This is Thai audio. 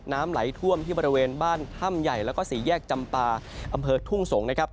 น้ำไหลท่วมที่บริเวณบ้านถ้ำใหญ่แล้วก็สี่แยกจำปาอำเภอทุ่งสงศ์นะครับ